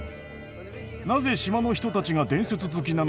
なぜ島の人たちが伝説好きなのか。